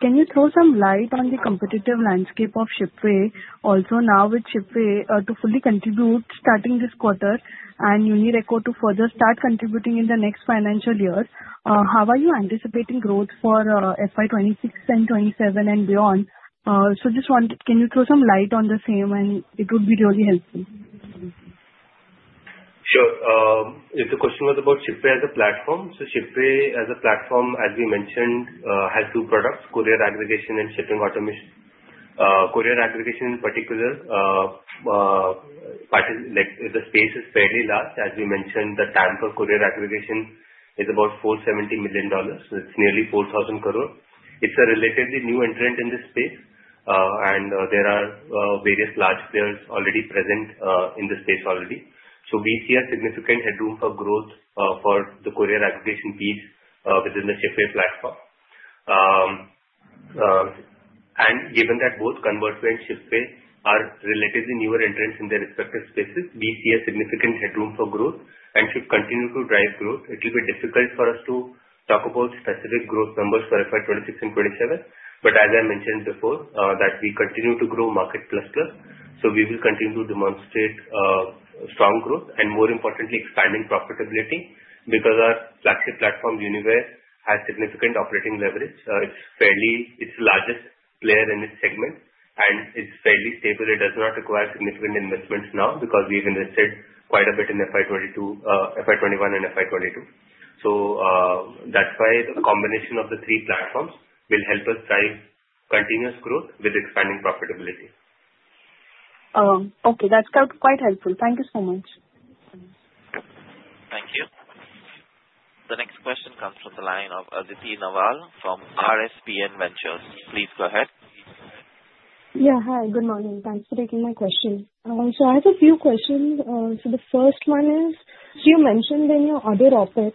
Can you throw some light on the competitive landscape of Shipway also now with Shipway to fully contribute starting this quarter and UniReco to further start contributing in the next financial year? How are you anticipating growth for FY26 and '27 and beyond? So just wanted can you throw some light on the same, and it would be really helpful. Sure. The question was about Shipway as a platform. So Shipway as a platform, as we mentioned, has two products: courier aggregation and shipping automation. Courier aggregation, in particular, the space is fairly large. As we mentioned, the TAM for courier aggregation is about $470 million. So it's nearly 4,000 crore. It's a relatively new entrant in this space, and there are various large players already present in the space already. So we see a significant headroom for growth for the courier aggregation piece within the Shipway platform. And given that both ConvertWay and Shipway are relatively newer entrants in their respective spaces, we see a significant headroom for growth and should continue to drive growth. It will be difficult for us to talk about specific growth numbers for FY26 and '27. But as I mentioned before, that we continue to grow market plus plus. So we will continue to demonstrate strong growth and, more importantly, expanding profitability because our flagship platform, UniWare, has significant operating leverage. It's the largest player in its segment, and it's fairly stable. It does not require significant investments now because we've invested quite a bit in FY21 and FY22. So that's why the combination of the three platforms will help us drive continuous growth with expanding profitability. Okay. That's quite helpful. Thank you so much. Thank you. The next question comes from the line of Aditi Nawal from RSPN Ventures. Please go ahead. Yeah. Hi. Good morning. Thanks for taking my question. So I have a few questions. So the first one is, so you mentioned in your other OpEx,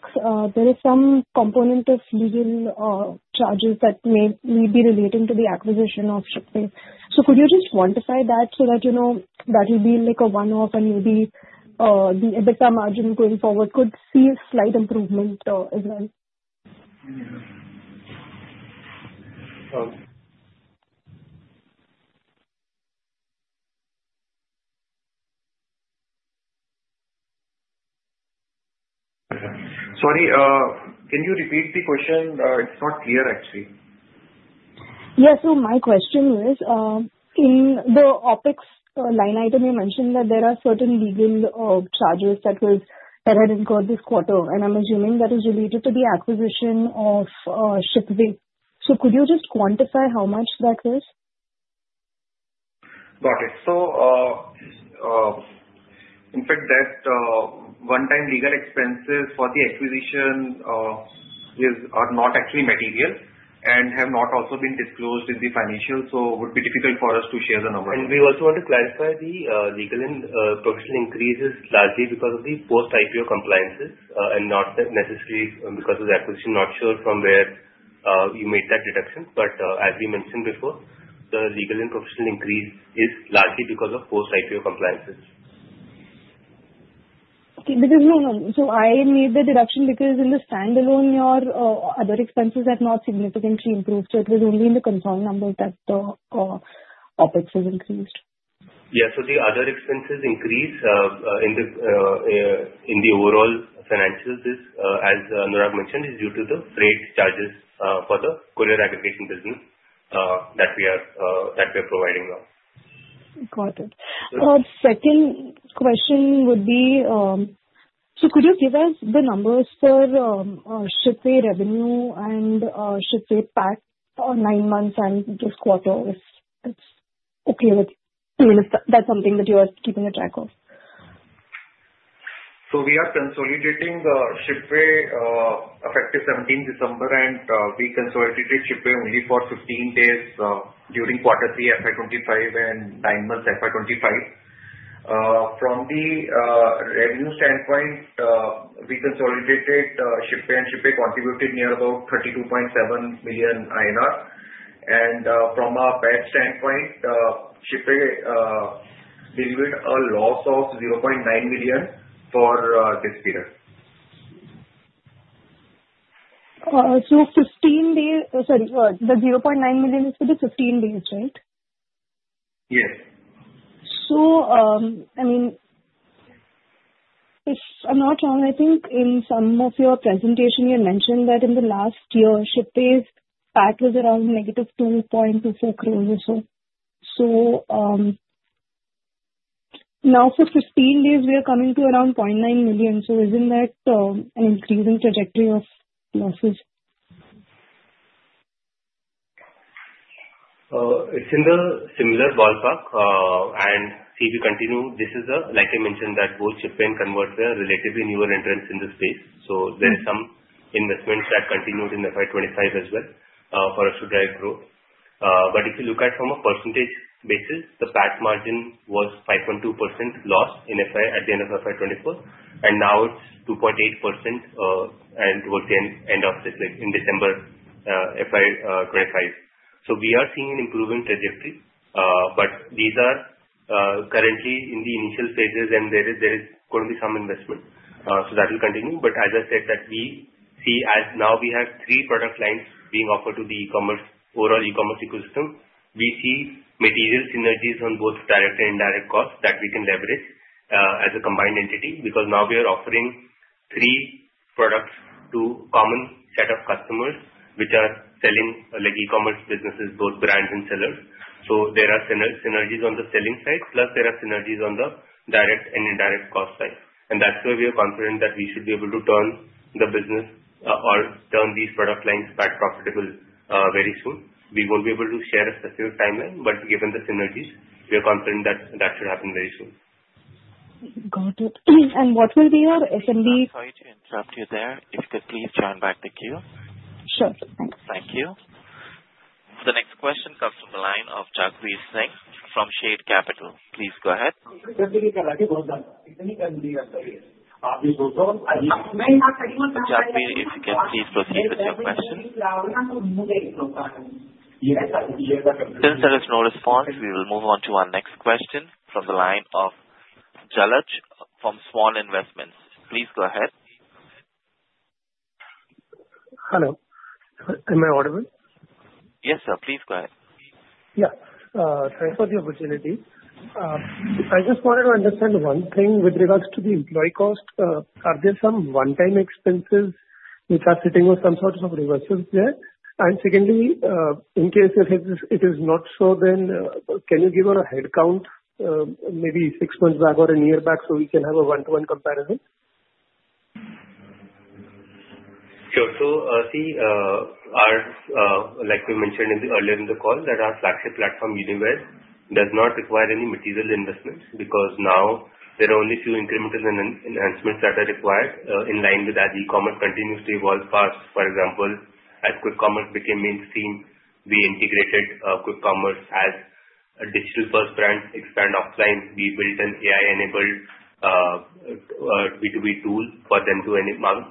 there is some component of legal charges that may be relating to the acquisition of Shipway. So could you just quantify that so that that will be a one-off and maybe a bit of margin going forward could see a slight improvement as well? Sorry. Can you repeat the question? It's not clear, actually. Yeah. So my question is, in the OpEx line item, you mentioned that there are certain legal charges that were incurred this quarter, and I'm assuming that is related to the acquisition of Shipway. So could you just quantify how much that is? Got it. So in fact, that one-time legal expenses for the acquisition are not actually material and have not also been disclosed in the financial, so it would be difficult for us to share the number. And we also want to clarify the legal and professional increase is largely because of the post-IPO compliances and not necessarily because of the acquisition. Not sure from where you made that deduction, but as we mentioned before, the legal and professional increase is largely because of post-IPO compliances. Okay. So I made the deduction because in the standalone, your other expenses have not significantly improved. So it was only in the consolidated numbers that the OpEx has increased. Yeah. So the other expenses increase in the overall financial, as Anurag mentioned, is due to the freight charges for the courier aggregation business that we are providing now. Got it. Second question would be, so could you give us the numbers for Shipway revenue and Shipway PAT on nine months and just quarters? That's okay with me. That's something that you are keeping a track of. So we are consolidating Shipway effective 17th December, and we consolidated Shipway only for 15 days during Q3 FY25 and nine months FY25. From the revenue standpoint, we consolidated Shipway, and Shipway contributed near about 32.7 million INR. And from our PAT standpoint, Shipway delivered a loss of 0.9 million for this period. So 15 days, sorry, the 0.9 million is for the 15 days, right? Yes. So I mean, if I'm not wrong, I think in some of your presentation, you mentioned that in the last year, Shipway's PAT was around negative 2.24 crores or so. So now for 15 days, we are coming to around 0.9 million. So isn't that an increasing trajectory of losses? It's in the similar ballpark. And see, we continue, this is, like I mentioned, that both Shipway and ConvertWay are relatively newer entrants in the space. So there are some investments that continued in FY25 as well for us to drive growth. But if you look at it from a percentage basis, the PAT margin was 5.2% loss at the end of FY24, and now it's 2.8% towards the end of this week, in December FY25. So we are seeing an improving trajectory, but these are currently in the initial phases, and there is going to be some investment. So that will continue. But as I said that we see as now we have three product lines being offered to the overall e-commerce ecosystem, we see material synergies on both direct and indirect costs that we can leverage as a combined entity because now we are offering three products to a common set of customers which are selling e-commerce businesses, both brands and sellers. So there are synergies on the selling side, plus there are synergies on the direct and indirect cost side. And that's where we are confident that we should be able to turn the business or turn these product lines back profitable very soon. We won't be able to share a specific timeline, but given the synergies, we are confident that that should happen very soon. Got it. And what will be your. Sorry to interrupt you there. If you could please join back the queue. Sure. Thanks. Thank you. The next question comes from the line of Jagmeet Singh from Shade Capital. Please go ahead. Since there is no response, we will move on to our next question from the line of Jalaj from Svan Investments. Please go ahead. Hello. Am I audible? Yes, sir. Please go ahead. Yeah. Thanks for the opportunity. I just wanted to understand one thing with regards to the employee cost. Are there some one-time expenses which are sitting on some sort of reserves there? And secondly, in case it is not so, then can you give a headcount, maybe six months back or a year back, so we can have a one-to-one comparison? Sure. So see, like we mentioned earlier in the call, that our flagship platform, UniWare, does not require any material investments because now there are only few incremental enhancements that are required in line with as e-commerce continues to evolve fast. For example, as Quick Commerce became mainstream, we integrated Quick Commerce as a digital-first brand, expand offline. We built an AI-enabled B2B tool for them to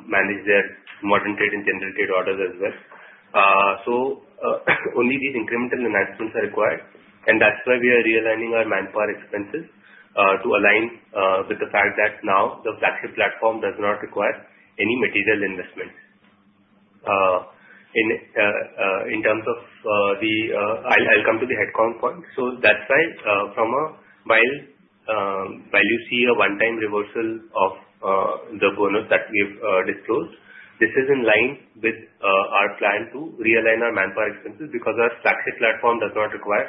manage their modern trade and general trade orders as well. So only these incremental enhancements are required, and that's why we are realigning our manpower expenses to align with the fact that now the flagship platform does not require any material investments. In terms of the, I'll come to the headcount point. So that's why while you see a one-time reversal of the bonus that we have disclosed, this is in line with our plan to realign our manpower expenses because our flagship platform does not require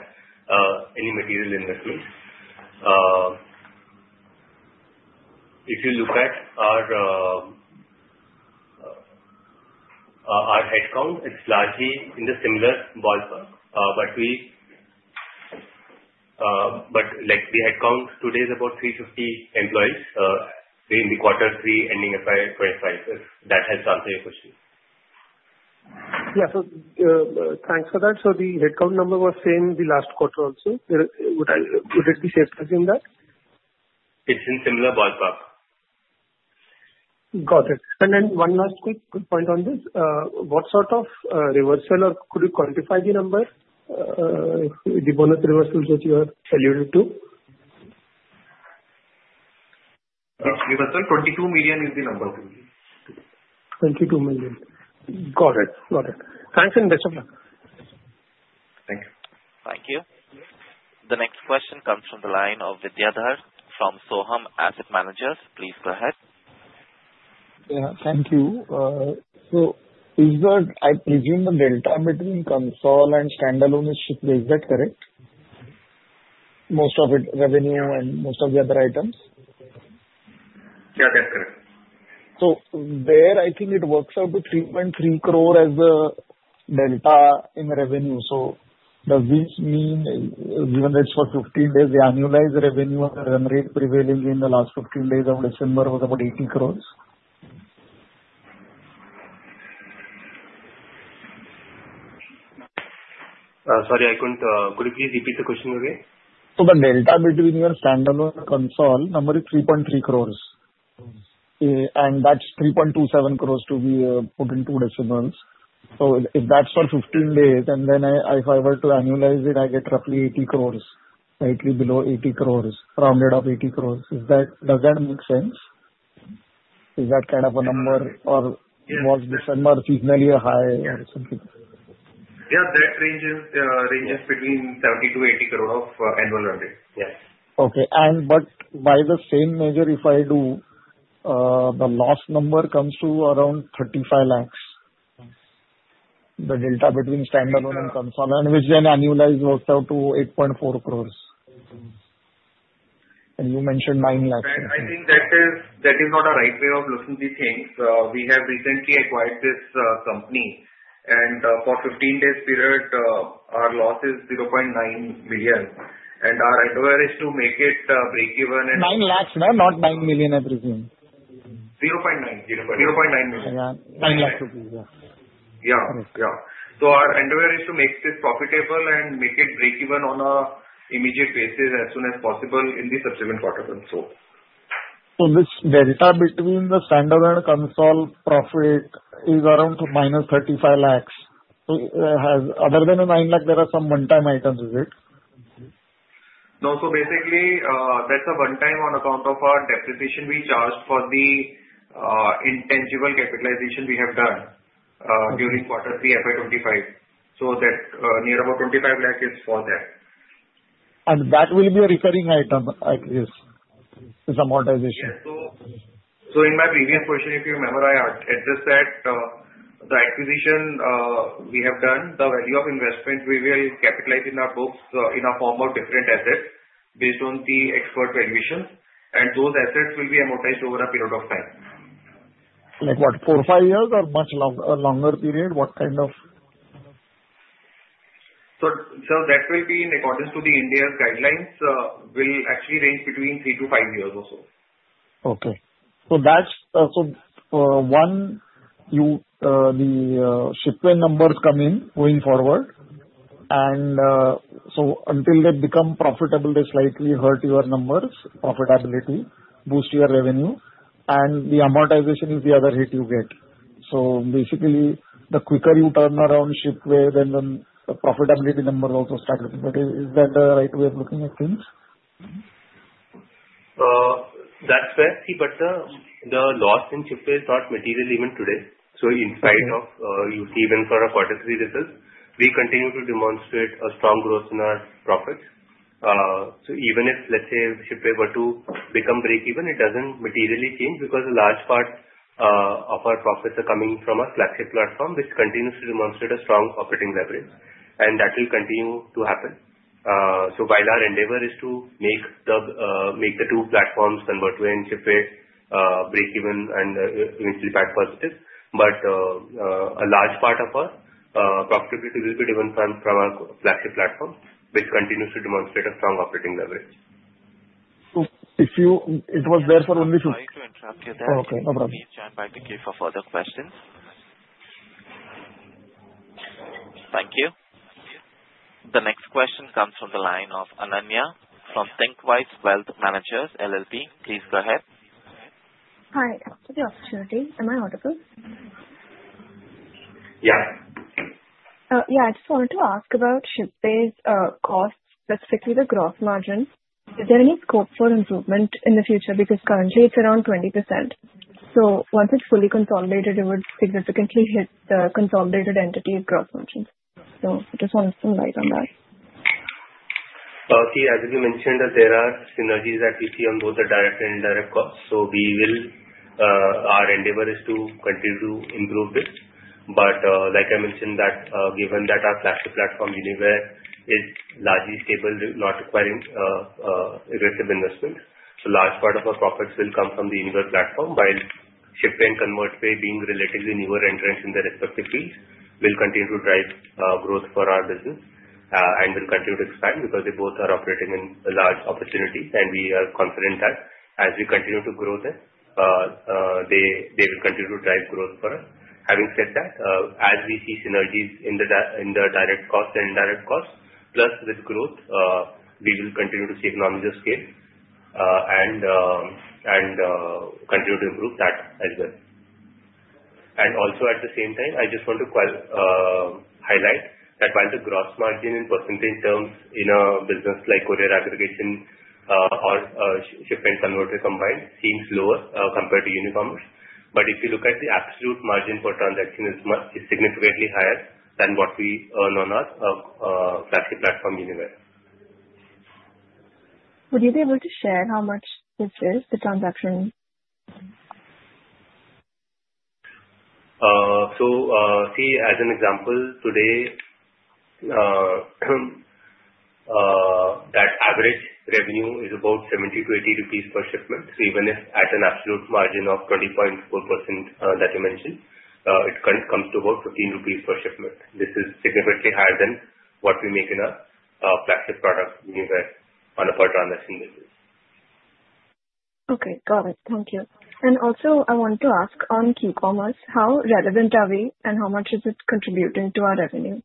any material investments. If you look at our headcount, it's largely in the similar ballpark, but the headcount today is about 350 employees in the quarter three ending FY25, if that has answered your question. Yeah. So thanks for that. So the headcount number was same the last quarter also. Would it be shaped in that? It's in similar ballpark. Got it. And then one last quick point on this. What sort of reversal or could you quantify the number, the bonus reversals that you are alluded to? Yes. Reversal 22 million is the number. 22 million. Got it. Got it. Thanks, Anurag. Thank you. Thank you. The next question comes from the line of Vidyadhar from Sohum Asset Managers. Please go ahead. Yeah. Thank you. So I presume the delta between consolidated and standalone is Shipway. Is that correct? Most of it revenue and most of the other items? Yeah. That's correct. So there, I think it works out to 3.3 crore as the delta in revenue. So does this mean, given that it's for 15 days, the annualized revenue on the run rate prevailing in the last 15 days of December was about 80 crores? Sorry. Could you please repeat the question again? So the delta between your standalone and consolidated number is 3.3 crores. And that's 3.27 crores to be put into decimals. So if that's for 15 days, and then if I were to annualize it, I get roughly 80 crores, slightly below 80 crores, rounded up 80 crores. Does that make sense? Is that kind of a number or was December seasonally high or something? Yeah. That range is between 70-80 crore of annual run rate. Yes. Okay. But by the same measure, if I do, the loss number comes to around 35 lakhs. The delta between standalone and consolidated, which then annualized works out to 8.4 crores. And you mentioned 9 lakhs. I think that is not a right way of looking at these things. We have recently acquired this company, and for a 15-day period, our loss is 0.9 million. And our end-to-end is to make it breakeven and— 9 lakhs, not 9 million, I presume. 0.9. 0.9 million. 9 lakhs. Yeah. Yeah. Yeah. So our end-to-end is to make this profitable and make it breakeven on an immediate basis as soon as possible in the subsequent quarters, so. This delta between the standalone and consolidated profit is around minus 35 lakhs. Other than the nine lakhs, there are some one-time items, is it? No. Basically, that's a one-time on account of our depreciation we charged for the intangible capitalization we have done during quarter three FY25. Near about 25 lakhs is for that. And that will be a recurring item at least, this amortization? In my previous question, if you remember, I addressed that the acquisition we have done, the value of investment we will capitalize in our books in a form of different assets based on the expert valuation. And those assets will be amortized over a period of time. Like what, four or five years or much longer period? What kind of? That will be in accordance to the India's guidelines, will actually range between three to five years or so. Okay. So one, the Shipway numbers come in going forward, and so until they become profitable, they slightly hurt your numbers, profitability, boost your revenue, and the amortization is the other hit you get. So basically, the quicker you turn around Shipway, then the profitability numbers also start looking better. Is that the right way of looking at things? That's fair. But the loss in Shipway is not material even today. So in spite of even for a quarter three result, we continue to demonstrate a strong growth in our profits. So even if, let's say, Shipway were to become breakeven, it doesn't materially change because a large part of our profits are coming from our flagship platform, which continues to demonstrate a strong operating leverage, and that will continue to happen. So while our endeavor is to make the two platforms ConvertWay and Shipway breakeven and eventually PAT positive, but a large part of our profitability will be driven from our flagship platform, which continues to demonstrate a strong operating leverage. So it was there for only— Sorry to interrupt you there. Okay. No problem. Please join the queue for further questions. Thank you. The next question comes from the line of Ananya from Thinqwise Wealth Managers LLP. Please go ahead. Hi. Thanks for the opportunity. Am I audible? Yeah. Yeah. I just wanted to ask about Shipway's costs, specifically the gross margin. Is there any scope for improvement in the future? Because currently, it's around 20%. So once it's fully consolidated, it would significantly hit the consolidated entity's gross margin. So I just wanted some light on that. See, as you mentioned, there are synergies that we see on both the direct and indirect costs. So our endeavor is to continue to improve this. But like I mentioned, given that our flagship platform, UniWare, is largely stable, not requiring aggressive investment, a large part of our profits will come from the UniWare platform, while Shipway and ConvertWay, being relatively newer entrants in their respective fields, will continue to drive growth for our business and will continue to expand because they both are operating in large opportunities. And we are confident that as we continue to grow there, they will continue to drive growth for us. Having said that, as we see synergies in the direct cost and indirect cost, plus with growth, we will continue to see economies of scale and continue to improve that as well. And also, at the same time, I just want to highlight that while the gross margin in percentage terms in a business like courier aggregation or Shipway and ConvertWay combined seems lower compared to Unicommerce, but if you look at the absolute margin per transaction, it's significantly higher than what we earn on our flagship platform, UniWare. Would you be able to share how much this is, the transaction? So see, as an example, today, that average revenue is about 70-80 rupees per shipment. So even if at an absolute margin of 20.4% that you mentioned, it comes to about 15 rupees per shipment. This is significantly higher than what we make in our flagship product, UniWare, on a per transaction basis. Okay. Got it. Thank you. And also, I want to ask on quick commerce, how relevant are we and how much is it contributing to our revenue?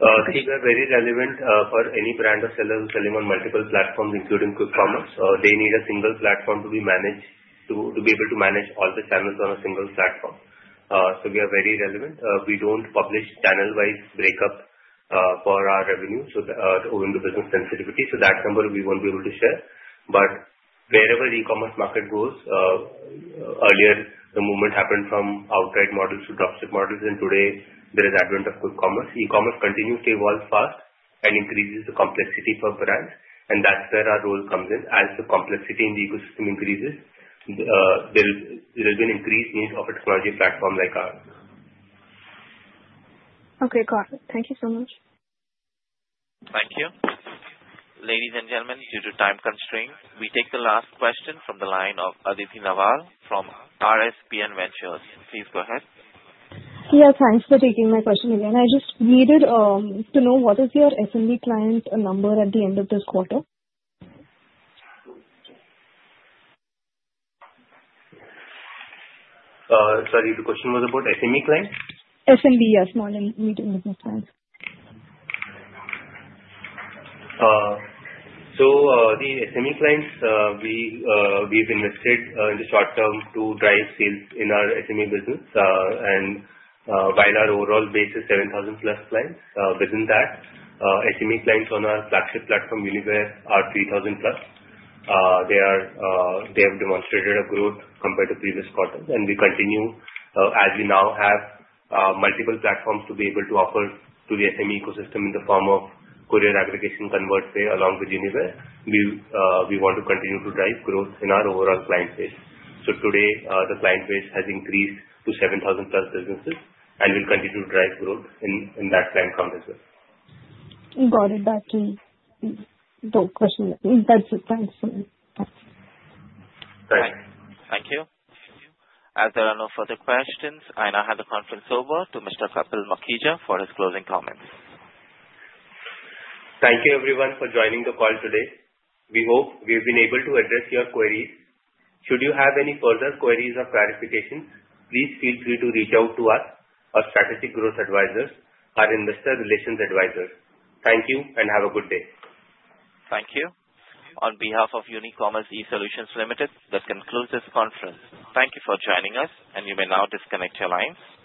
See, we are very relevant for any brand or seller who's selling on multiple platforms, including Quick Commerce. They need a single platform to be managed, to be able to manage all the channels on a single platform. So we are very relevant. We don't publish channel-wise breakup for our revenue, so owing to business sensitivity. So that number, we won't be able to share. But wherever e-commerce market goes, earlier, the movement happened from outright models to dropship models, and today, there is advent of Quick Commerce. E-commerce continues to evolve fast and increases the complexity for brands, and that's where our role comes in. As the complexity in the ecosystem increases, there will be an increased need for a technology platform like ours. Okay. Got it. Thank you so much. Thank you. Ladies and gentlemen, due to time constraints, we take the last question from the line of Aditi Nawal from RSPN Ventures. Please go ahead. Yeah. Thanks for taking my question, Anurag. I just needed to know what is your SMB client number at the end of this quarter? Sorry. The question was about SME clients? SMB, yes. Small and medium business clients. So the SME clients, we've invested in the short term to drive sales in our SME business. And while our overall base is 7,000-plus clients, within that, SME clients on our flagship platform, UniWare, are 3,000-plus. They have demonstrated a growth compared to previous quarters, and we continue, as we now have multiple platforms to be able to offer to the SME ecosystem in the form of courier aggregation, ConvertWay, along with UniWare, we want to continue to drive growth in our overall client base. So today, the client base has increased to 7,000-plus businesses, and we'll continue to drive growth in that client count as well. Got it. That's the question. That's it. Thanks. Thanks. Thank you. As there are no further questions, I now hand the conference over to Mr. Kapil Makhija for his closing comments. Thank you, everyone, for joining the call today. We hope we have been able to address your queries. Should you have any further queries or clarifications, please feel free to reach out to us, our strategic growth advisors, our investor relations advisors. Thank you, and have a good day. Thank you. On behalf of Unicommerce eSolutions Limited, this concludes this conference. Thank you for joining us, and you may now disconnect your lines.